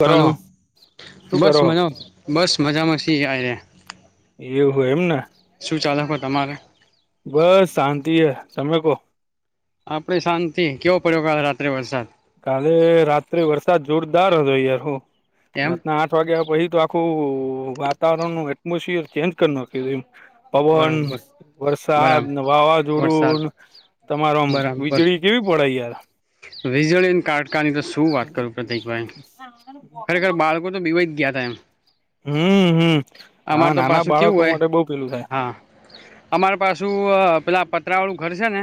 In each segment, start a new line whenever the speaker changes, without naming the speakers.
કરો
હાલલો
હો શું
બસ
કરો
મ
હો
બસ મજામાં આરેે
એવું હોય એમને
શું ચાલેકો તમારે
બસ શાંતિ હ સમય, કો
આપડી શાંતિ કેવો પડ્યોા રાત્રે વરસાદ
કાલે રાત્રે વરસાદ જોરદાર હતો યાર હું
એમ
રાતના આઠ અઠવા વાગ્યા પછી તો આખું વાતાવરણનું એટમોસફિયર ચેન્જ કરી નાખ એમ પવન
બરાબર
વરસાદ
બરાબર વરસાદ
વાવાઝોડું તમારે આમ વીજળી કેવી પડે યાર
વિઝળીન કાટકની તો શું વાત કરું પ્રતિકભાઈ ખરેખર બાળકો તો બીવાઈ જ ગયા હતા એમ
હમ હમ હા
અમારે તો
નાના બાળકો માટે બઉ પેલું થાય
અમાર પાછું પેલા પતરા વાળું ઘર છે ને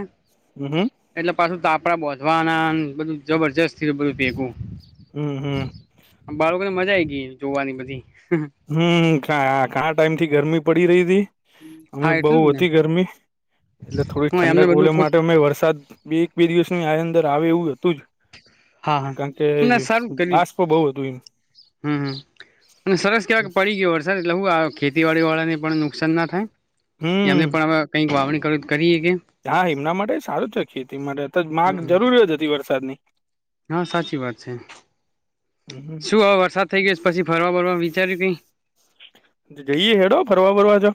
હ હમ.
એટલે પાછું તોાપડા બોંધવાના બધું જબરજસ્ત બધું ભેગું.
હમ હમ.
બાળકો ને મજા આ આવી ગઈ જોવાની બધી.
હમ કાં ટાઈમ થી ગરમી પડી રહી હતી. અમે
હા એટલે
બઉુ
જ ને
વધી ગરમી એટલે થોડી
હ એમને
ઠંડક
બધું
બોલી માટે અમે વરસાદ. બે એક બે દિવસ આ અંદર આવે એવું હતું જ.
હા હા
કારણ કે
ના સારું કર્યું
વાસપ બહુ હતું એમ.
હમ હમ અને સરસ કહેવાય
એમ
કે પડી ગયો સર એટલે હું આ ખેતીવાડીવાળાને પણ નુકસાન ના થાય.
હમ
એમને પણ કંઈક વાવણી કર કરીએ કે.
હા એમના માટે સારું છે ખેતી માટે માગ
હમ
જરૂરત હતી વરસાદની.
હા સાચી વાત છે
હમ
શું હવે વરસાદ થઈ ગયો છે પછી ફરવા ફરવા વિચાર્યું કઈ.
જઈએ હેડો ફરવા ફરવા જ.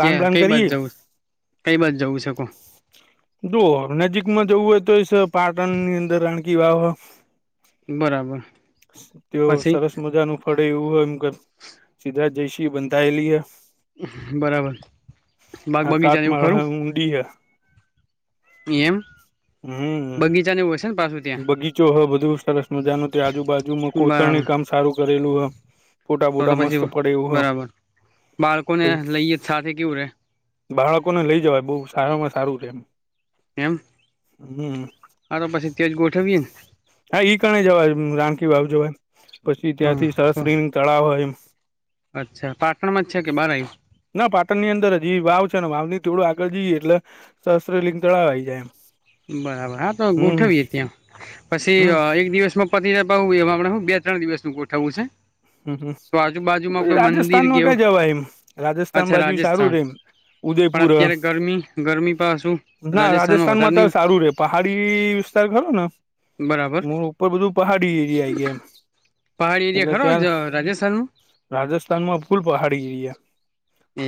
ક્યાં કઈ બાજ જવું કઈ બાજ જવું શકો.
જો નજીકમાં જવું હોય તો એ પાટણ ની અંદર રાણીકી વાહ
બરાબર.
તે
પછી
સરસ મજા ન ફળે એવું હોય એમ કે સીધા જયસિં બનતાયેલી હે.
બરાબર બાગ
આ સાત
બગીચા એવું
માળ
ખરું.
ઊંડી હ
એમ.
હમ
બગીચાને એવું હશે ને પાછું ત્યાં
બગીચો હ બધું સરસ મજા ન ત આજુબાજુ.
બરાબર
કોતરની કામ સારું કરેલું હ. ફોટા
છો તો
બોટા
પછી
મસ્ત પડે એવું હ
બરાબર બાળકો ને
પહી
લઈએ જ સાથે કેવું રે
બાળકોને લઈ જવાય બહુ સારામાં સારું છેમ હમ.
હારો પછી ત્યાંજ ગોઠવીએ ને.
હા ઈ કણે જવાય રાણકી બાપુ જવાય પછી ત્યાંથી
હા
સરસરીની તળાવ હોય.
અચ્છા પાટણમાં છે કે બાર આઈ.
ના પાટણ ની અંદર જ એ વાવ છે ને વાવની થોડું આગળ જઈએ એટલે સસ્ત્રલિંગ તળાવ આ આવી જાય એમ.
બરાબર હા તો
હમ
ગોઠવીએ ત્યાં પછી
હમ
એક દિવસમાં. પતિને બહુ એ હ બે ત્રણ દિવસ નું ગોઠવું છે.
હમ હમ
તો આજુબાજુમાં
પછી
કોઈ મંદિર કે
રાજસ્થાનમાં કઈ
એવું
જવાય એમ રાજસ્થાન
અચ્છા
બાજુ સારું
રાજસ્થાન
રેમ.
પણ
ઉદયપુર
અત્યારે ગરમી ગરમી પાછું
ના
વધારે
રાજસ્થાનમાં તો
ની
સારું રે. પહાડી વિસ્તાર ખરો ને
બરાબર
હ ઉપર બધું પહાડી એરિયા ગયા એમ.
પહાડી એરિયા
એટલે
ખરો છે.
ત્યાં રાજસ્થાનમાં ભૂલ પહાડી્યા.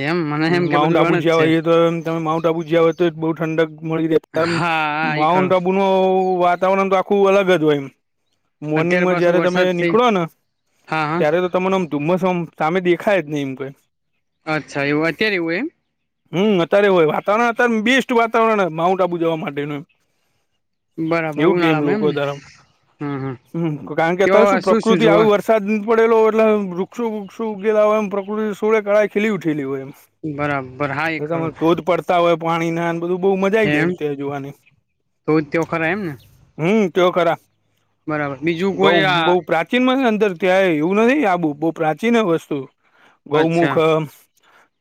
એમ મને એમ કે
માઉન્ટ
બધું
આબુ
રણ જ
જવા
છે
હોઈએ તો તમે માઉન્ટ આબુ જવા હોય તો બઉુ ઠંડક મળી જ.
હા એ
માઉન્ટ
ખરું
આબુ ન વાતાવરણ તો આખું અલગ જ હોય એમ. મોર્નિંગ
અત્યારે
માં
પાછું
જયારે તમે
વરસાદ થઈ
નીકળો ને.
હા
ત્યારે
હા
તો તમને આમ ધુમ્મસ આમ સામે દેખાય જ નહી એમ કઈ.
અચ્છા એવું અત્યારે એવું એમ.
હમ અત્યારે હોય વાતાવરણ અત્યારે બેસ્ટ વાતાવરણ માઉન્ટ આબુ જવા માટેનું. [inaudible]
બરાબર
એવું કેમ
ઉનાળામાં એમ
લોકો
ને
તરમ
હમ હમ
હ કારણ કે અત્યારે શું પ્રકૃતિ આવ વર્ષે વરસાદ પડેલો એટલે વૃક્ષો વૃક્ષો ઉગેલા હોય એમ પ્રકૃતિ સોળેાળા ખીલી ઉઠેલી હોય એમ.
બરાબર હા એ
તમે
ખરું
ધોધ પડતા હોય પાણી ના બહુ મજા આઈ જાય એમ ત્યાં જોવાની
તો જ તેઓ ખરા એમ ને
હમ તે ખરા
બરાબર બીજું
ગઉ
કોઈ આ
બઉ પ્રાચીનમાં છે અંદર ત્યાં એવું નથી આબું બહુ પ્રાચીન વસ્તુ ગૌમુખ
અચ્છા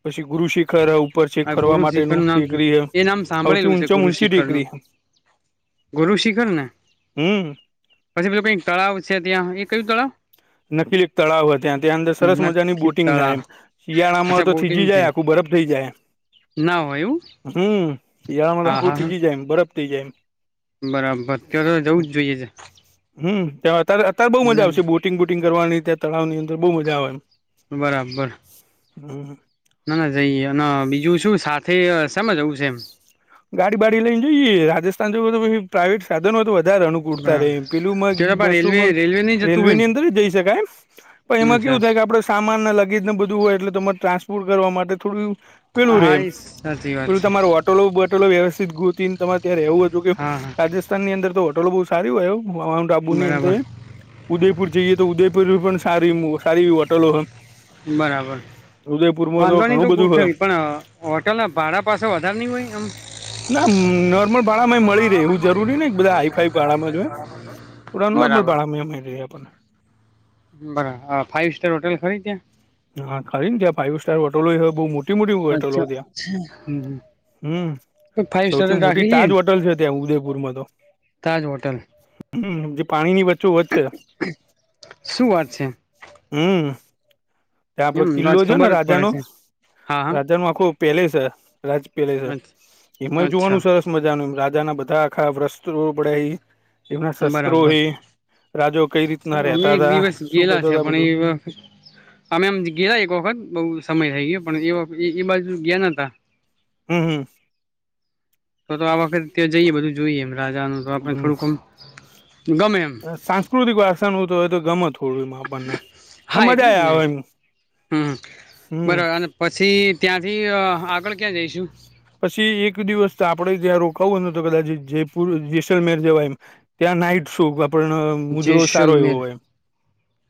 પછી ગુરુ શિખર આવ ઉપર છે
આ
ફરવા
ગુરુ શિખર
માટેનું
નું નામ
ટેકરી હ
એ નામ
સૌથી
સાંભળેલું છે
ઊંચા
ગુરુ
ઊંચી
શિખર નું
ટેકરી.
ગુરુ શિખર ને?
હમ.
પછી પેલું કઈક તળાવ છે ત્યાં એ કયું તળાવ?
નકલ એક તળાવ ત્યા ત્યાં અંદર સરસ મજાની
નખી
બોટિંગ થાય
તળાવ
એમ શિયાળામાં હોય
અચ્છા
તો
બોટિંગ
થીજી
છે
જાય આખું બરફ થઈ જાય.
ના હોય એઉ.
હમ શિયાળામાં આખું થીજી જાય એમ બરફ થઇ જાય એમ
બરાબર તો તો જવું જ જોઈએ.
હમ ત અત્યારે બહુ મજા
ના
આવશે બોટિંગ બોટિંગ કરવાની ત્યાં તળાવ ની અંદર બહુ મજા આવે એમ
બરાબર.
[unintelligible]
ના ના જઈએ અને બીજું શું સાથે શેમા જઉં છે એમ.
ગાડી બાડી લઈને જઈ રાજસ્થાન જઉ હોય તો પછી પ્રાઇવેટ સાધન હોય તો વધારે અનુકૂળતા રહે
બરાબર
એમ પેલું
ત્યારે પણ રેલવે
બસોમાં
રેલવે નહી જતું
રેલવે
હોય
ની અંદર એય જઈ શકાય એમ પણ
ને
એમાં
અચ્છા
કેવું થાય કે આપડે સામાન ના લગેજને બધું હોય એટલે તમારે ટ્રાન્સપોર્ટ કરવા માટે થોડું પેલું
હા
રેમ
એ સાચી વાત
પેલું
છે
તમાર હોટલો બોટલો વ્યવસ્થિત ગોતીને તમારે ત્યારે રેવું હોય તો જોકે
હા હા
રાજ સ્થાન ની અંદર તો હોટલો બહુ સારી હોય માઉન્ટ આબુ ની અંદર
બરાબર
ઉદયપુર જઈએ તો ઉદયપુર પણ સારી સારી એવી હોટલો
બરાબર
ઉદયપુરમાં
વાંધો નઈ તો
ઘણું બધું હ
ગુથવી પણ હોટલના ભાડા પાસે વધારે નહીં હોય એમ
ના નોર્મલ ભાડામાં એ મળી રહેે એવું જરૂરી ને બધા હાઈ ફાઈ ભાડામાં જો હો થોડા નર્મલ
બરાબર
ભાડાં [unintelligible]
બરાબર ફાઈવ સ્ટાર હોટટેલ ખરી ત્યાં?
હા ખાલીન ક્યા ફાઈવ સ્ટાર હોટલો હોય બહુ મો
અચ્છા અચ્છા હમ
હમ
ફાઈવ સ્ટાર
સૌથી
જ
મોટી
રાખી લઈએ
તાજ
ને
હોટલ છે ત્યાં ઉદયપુરમાં તો
તાજ હોટલ.
હમ જે પાણી ની વચ્ચો વચ છે.
શું વાત છે.
હમ ત્યાં આપડો
એમ તો
કિલ્લો
આજ
છે ને
ખબર જ પડે
રાજાનો
છે હા
રાજાનો આખું પેલેસ હે રાજ પેલેસ છે
હા
એમાંય
અચ્છા
જોવાનું સરસ મજાનું રા બધા ના બધા આખા વસ્ત્ર પડે એમના શસ્ત્રો હ
બરાબર
રાજો કઈ રીતના
અમે
રહેતા
એક
હતા
દિવસ
શું
ગયેલા
કરતા હતા બધું
[inaudible] અમે એમ ગયા એક વખત બહુ સમય થઈ ગયો પણ એ વખત એ એ બાજુ ગયા નતા
હમ હમ.
તો તો આ વખતે ત્યા જઈએ બધું જોઈ એમ રાજાનું તો આપને
હમ
થોડુંકમ ગમે એમ.
[unintelligible] હોય તો તો ગમે થોડું બને તો
હા એટલે
મજા
જ ને
આવે એમ
હમ
હમ
બરાબર અને પછી ત્યાંથી આગળ ક્યાં જઈશું?
પછી એક દિવસ આપણેે જ્યાં રોકાવું ન તો કદાચ જયપુર જેસલમેહેર જવા એમ. ત્યાં નાઈટ શૂ આપણને મુજરો સારો એવો
જેસલમેર
હોય.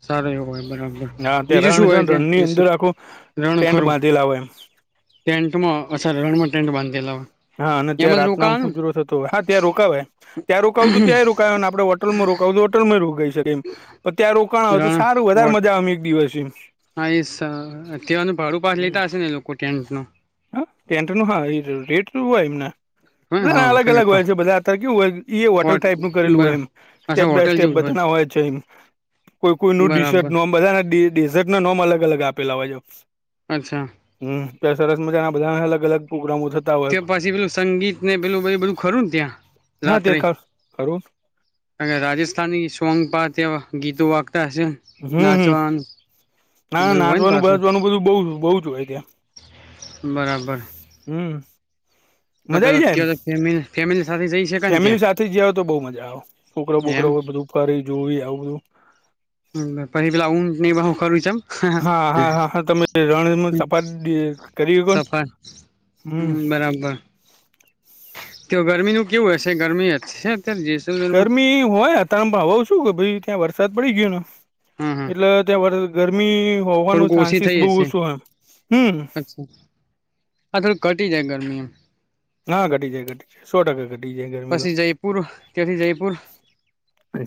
સારો એવો હોય બરાબર
નાા ત્યા
બીજું શું
રણ જ
હોય ત્યાં
રનની
જેસ
અંદર આખો.
રણ
ટેન્ટ
ખરું
બાંધી લાવો એમ.
ટેન્ટમાં અ રણમાં ટેન્ટ બાંધેલા હોય.
હા અને
એમ
ત્યાં
જ
રાતના
રોકાવાનું
ખુજરો થતો હોય હા ત્યાં રોકાવાય. ત્યાં રોકું ત્યાં રોકાય ને આપડ હોટલમાંોકાવું હોટલમાં રોકાઈ શકેમ. પ ત્યાં રોકાણ આવેય હત
રણ
સારું વધારે
વોટ
મજા આવે એક દિવસ.
હા એ સર તેવાનું ભાડું પાછ લેતા હશે ને એ લોકો ટેન્ટ ન.
હ પેન્ટ નું હા એ રેટવું હોય એમને.
હ
બધાને
હા
અલગ
કારણ
અલગ
કે
હોય છે બધા અત્યારે કેવું હોય ઈ એ હોટલ
વોટ
ટાઈપ નું કરેલું હોય
બરા
એમ. સ્ટેપ
અચ્છા
બાય
હોટેલ
સ્ટેપ
જેવું
બધા ના હોય છે ઈમ કોઈ કોઈ નું ડી શર્ટ
બરાબર
નોમ બધાના ડી ડેઝર્ટ ના નોમ અલગ અલગ આપેલા હોયછ.
અચ્છા.
હમ કે સરસ મજાના બધા અલગ અલગ પ્રોગ્રામો થતા હોય.
જે પેલું સંગીત ને પેલું બધુ બધું ખરું ને ત્યાં
હા તે
રાત્રે
ખરું
અને રાજસ્થાની સોંગ પા ત્યાં ગીતો વાગતા હશે.
હમ હમ
નાચવાનું એ
ના
બધું હોય ને
નાચવાનું
પાછું
બાચવાનું બધું બઉ બઉ જ હોય ત્યાં.
બરાબર.
હમ
તો
મજા
તો
આઈ જાય એમ.
અત્યારે ફેમિ ફેમિલી સાથે જઈ શકાય ને
ફેમિલી
ત્યાં
સાથે જાઓ તો બઉુ મજા આવે છોકરાઓ
એમ
બોકરાઓ બધું કરી જોવી આવું બધું.
હમ પહિ પેલા ઊંટ ને બહઉ કરું ચમ.
હા હા હા હા તમે રણમાં સપાડી કરી હકોન.
હમ [unintelligible] હમ બરાબર તો ગરમીનું કેવું હશે ગરમી હશે અત્યારે જેશ
ગરમી હોય અત્યારે પણ હવે શું હોય કે ભાઈ ત્યાં વરસાદ પડી ગયો ને
હમ હમ
એટલે ત્યાં વર ગરમી
થોડુંક
હોવાનું
ઓછી
ચાન્સીસ બહુ ઓછું હોય હમ.
હા થોડી ઘટી જાય ગરમીમ.
હા ઘટી જાય ઘટી જાય સો ટકા ઘટી જાય ગરમી તો.
પછી જયપુર ત્યાંથી જયપૂર.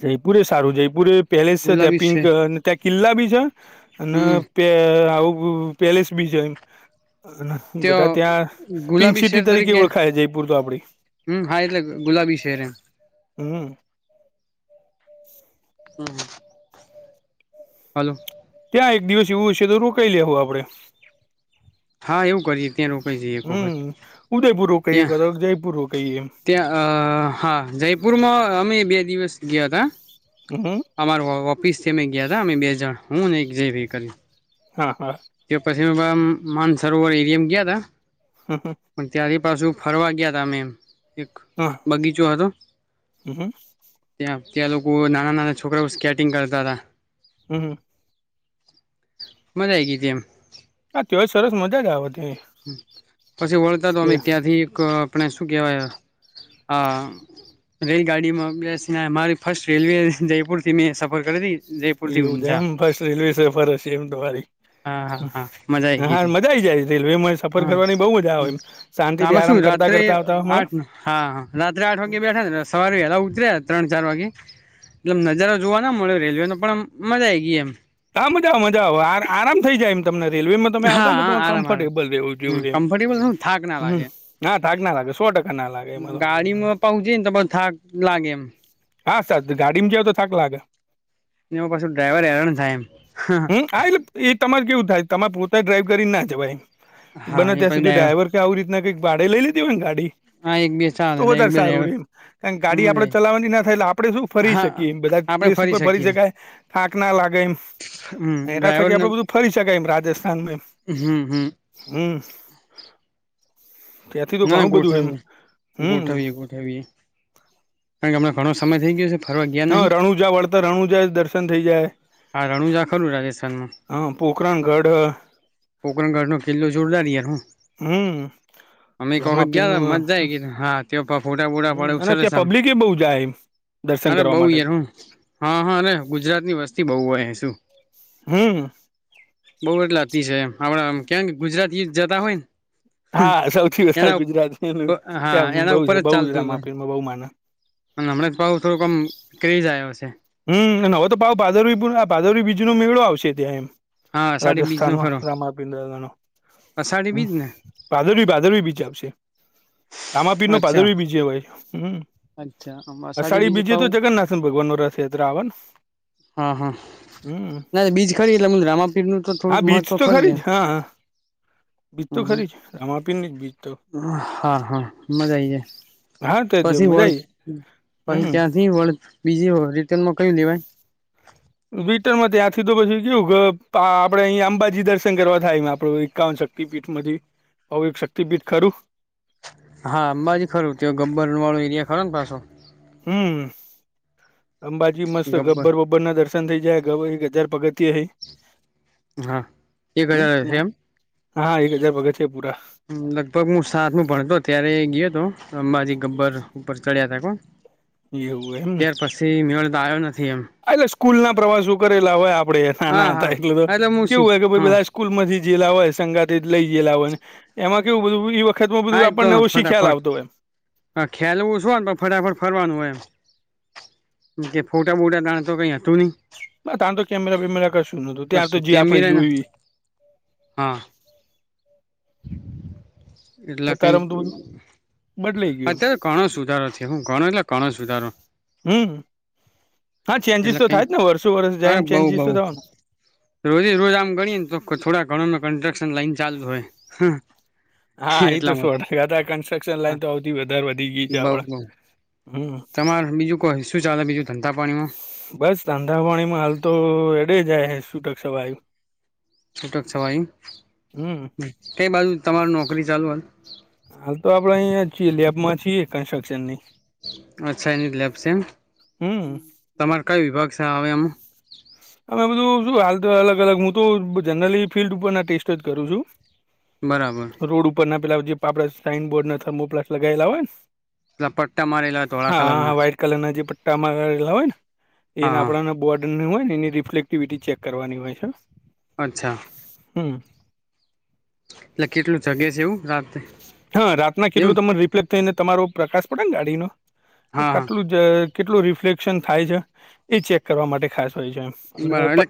જયપુરે સારું છે જયપુર પેલેસ છે ત્યાં પિંક અને ત્યાં કિલ્લા બી છે અન
હમ
ત્યાં આવું પેલેસ બી છે બધા ત્યાં પિંક
ગુલાબી
સિટી
શહેર
તરીકે ઓળખાય જયપુર તો આપડી.
હમ હા એટલે
હમ.
હમ હ. હાલો.
ત્યાં એક દિવસ એવું હશે તો રોકાઈ લેહું આપડે.
હા એવું કરીએ ત્યાં રોકાઈ જઈએ એક વખત
હમ ઉદયપુર રોકાઈયે
ત્યાં
કા તો જયપુર રોકાઈયે.
ત્યાં અ હા જયપુરમાં અમે બે દિવસ ગયા તા.
હમ.
અમાર ઓ ઓફિસ થી અમે ગયા હતા અમે બે જણ હું ને એક જૈવિક કરીન.
હા હા.
તે પછી અમ માનસરોવર એરિયામ ગયા તા.
હમ હમ.
પણ ત્યારે પાછુ ફરવા ગયા તા અમેમ. એક
હા
બગીચો હતો?
હમ
ત્યાં ત્યાં લોકો નાના નાના છોકરાઓ સ્કેટિંગ કરતા હતા.
હમ હમ.
મજા આઈ ગઈ હતી એમ.
હા ત્યોંય સરસ મજા જ આવે ત.
પછી વળતા તો અમે ત્યાંથી એક આપણે શું કેહેવાય આ રેલ ગાડીમાં બેસીને મારી ફર્સ્ટ રેલવે જયપુર થી મેં સફર કરી હતી. જયપુરથી
એવું છે
ઊંઝા
એમ ફસ્ટ રેલવે સફર હશે એમ તમારી
હા હા હા મજા આવી ગઈ
હા
હતી
મજા આઈ જાય. રેલવે માં સફર
હા
કરવાની બઉુ મજા આવે શાંતિ થી
આમાં
આરામ
શું
કરતા
રાત્રે
કરતા આવતા મળે.
આઠ હા રાત્રે આઠ વાગે બેઠા ને સવારે વેલા ઉતર્યા ત્રણ ચાર વાગે મલમ નજારો જોવા ના મળે રેલવે નો પણ આમ મજા આઈ ગઈ એમ.
હા મજા આવ મજા આવ આ આરામ થઈ જાય એમ. તમને રેલવેમાં તમે
હા
આવતા ને
હા
તમાર
આરામ આરામ
કમ્ફર્ટેબલ રહેવું જોવું
હમ
રેમ
કમ્ફર્ટેબલ શું થાક ના
હમ.
લાગે
ના થાક ના લાગે સો ટકા. ના લાગે એમાં તો
ગાડીમાં પહુંચે ને તો બઉ થાક લાગે એમ.
હા સર ગાડી માં જવ તો થાકલાાગા
એમાં પાછું ડ્રાઈવર હેરાન થાય એમ
ાલે એ તમારે કેવું થાય તમારે પોતા ડ્રાઈવ કરી ના જવાય
હા
બને
એ
ત્યાં
પછી
સુધી ડ્રાઈવર કે આવી રીતના કઈક ભાે લઈ લીધ હોયને ગાડી
હા એક બે
તો
ચાલે એક
વધારે
બે
સારું
ડ્રાઈવર
રે એમ કારણ ગાડી
મજા
આપડે
આઈ.
ચલાવાની ના થ એટલે આપડણે શું ફરી
હા
શકીએ બધા
આપણે
પ્લેસ ઉપર ફરી
શકીએ
શકાય થાંક ના લાગે એમ
હમ
એના થકી
ડ્રાઈવરને
આપડું બધું ફરી શકાય એમ રાજસ્થાનમાં એમ
હમ હમ
હમ ત્યાંથી તો
ના ના
ઘણું બધું એમ
ગોઠવીએ
હમ
ગોઠવીએ કારણ કે હમણા ઘણો સમય થઇ ગયો છે ફરવા ગયા નહી
હા રણુ જા વળતા રણુ જાય દર્શન થઇ જાય
હ રણુઝા ખરું રાજસ્થાનમાં
હ પોોખરણગઢ
પોરણગઢનોો કિલ્લો જોડદાર યાર હું
હમ
અમે એક વખત
રમાપીર
ગયા
નું
મજા જાય હા તે ફોટા બુડા
હમ
પડે
અને
સરસ
ત્યાં
આમ
પબ્લિક એ બહુ જાય એમ દર્શન
અરે બઉ
કરવા માટે
યાર હું હા હા ગુજરાત ની વસ્તી બહુ હોય શું
હમ
બહુ એટ લાગતી છે એમ આપણા આમ ક્યાં ગુજરાતી જતા હોય ને
હા સૌથી વધારે
એના
ગુજરાત એ
હા
ત્યાં બઉ
એના
છે
ઉપર જ ચાલતું
બહુજરામ
હતું
આપે બહુ માન
અને હમણાં જ ભાવ થોડુંકમ ક્રેઝ આવ્યો છે
હમ નવે તો પાાવ ભાર ભારરી બીજ નો મેળો આવશે ત્યાં એમ
હા અષાઢી
રાજસ્થાનમાં રામાપિડ ન
પાસાાઢી બીજને
ભાદરવીી ભારવી બીજાશે રામાપીર નો પાદર
અચ્છા
ભી બીજે હોયમ
અચ્છા
અષાઢી
બીજ
બીજે
પાહુ
તો જગન્નાથન ભગવાન નોસ શદરાાવન
હા હા ના બીજ ખરી એટલે રામાપીઠ નું તો
હા
થોડુંક
બીચ
મહત્વ ખરું છે
બીજ તો
હમ
ખરી જ રામાપીર ની જ બીજ તો
હા હા મજા આઈ જાય
હા તે જો
પછી
મજા
વળ
આઈ
પછી
હમ
ક્યાંથી વળ બીજી હો રિટર્નમાં કયું લેવાય
વટરમાં ત્યાં થી તો પછી કેયું આપડે અહીયા અંબાજી દર્શન કરવા થાય આપડું એકાવનક શક્તિપીઠ મ ભું એક શક્તિપીઠ કરું
હા અંબાજી ખરું તે ગબ્બરણળો એરિયા ખરો ને પાછો
હમ અંબાજી મસ્ત
ગબ્બર
ગબ્બર્બર અબર ના દર્શન થઈ જાય હજાર પગતિય હ
હા એક હજાર હશે એમ
હા એક હજાર પગત છે પુરા
લગભગ હું સાતમું ભણતો ત્યારે ગયો હતો અંબાજી ગબ્બર ઉપર ચડ્યા હતા કો
એવું એમ ને
સ મેલ તો આ આવયો નથી. એમ
એટલે સ્કૂલ ના પ્રવાસો કરેલા હોય આપડે ના
હા
હતા
હા
એટલે તો કેવું
મુસી
હોય, કે ભ
હા
બધા સ્કૂલ માંથી જયેલા હોય સંગાત લઈ ગયેલા હોય, ને એમાં કેવું બધું એ વત ખખત માં બધું
હા તો
આપણને ઓછી ખ્યાલ
ફટાફટ
આવતો હોય.
હા ખેલવું છુને, પણ ફટાફટ ફરવાનું હોય એમ કે ફોટા બોટા તણ તો કઈ હતું નહી
બ ત આં તો કેમેરા વેમેરા કશું નતુ, ત્યાં તો
કશું
જે આપડે
કેમેરા ના
જોય
હા એટલા કઈક
અતારમાં તો બધું બદલાઈ ગયું
અત્યારે ઘણો સુધારો છે. હું ઘણો એટલે ઘણો સુધારો
હમ હા ચેન્જીસ
એટલે
તો
કઈ
થાય જ ને વર્ષો વર્ષ
અરે
જાયમ
બઉ
ચેન્જીસ
બઉ
તો થ ને
રોજે રોજ આમ ગણીએ ને તો થોડા ઘણમાં કન્સ્ટ્રક્શન લાઈન ચાલત હોય.
હા એ તો
એટલા માટે
શું હતા કન્સ્ટ્રક્શન
હા
લાઈન તો આવથી વધારે વધી ગઈ છે. આપણા હમ
તમાર બીજું કોઈ શું ચાલે બીજું ધંધા પાણીમાં
બસ કાંધાવાણીમાં હાલ તો એડે જાય શું ટક ભય
છૂટક છવાય
હમ
કઈ બાજુ તમાર નોકરી ચાલુ હાલ
હાલ તો આપડે અહંયા છીએ લેબમાં છીએ કન્સ્ટ્રક્શન ની
અચ્છા એની લેબ છે.
હમ
એ તમારે કઈ વિભાગ છે આવે એમ
અમે બધું શું હાલ અલગ અલગ હું તો જનરલી ફિલ્ડ ઉપર ના ટેસ્ટ જ કરું છુ.
બરાબર
રોડ ઉપર ના પેલા જે આપડાે સાઈનબોર્ડ ના થર્મોપ્લાસ લગાવેલા હોય, ને
પટલા પટ્ટા મારેલા તોોળા કલર ના
કલર ના જે પટ્ટા ગેલા હોય ને એને
હા હા
આપણાના બોર્ડર હોય, ને એ રિફ્લેક્ટિવિટી ચેક કરવાની હોય છે.
અચ્છા
હમ્મ
એટલે કેટલું જગે છે. એવું રાત્રે
હા, રાત ના કેટલું તને રિફ્લેક્ટ થઈને, તમારો પ્રકાશ પડે ને ગાડી નનો
હા હા
કેટલું કેટલું રિફ્લેક્શન થાય છે એ ચેક કરવા માટે ખાસ હોય છે, એ
બરા એલે